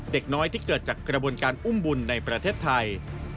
เด็กน้อยที่เกิดจากกระบวนการอุ้มบุญในประเทศไทย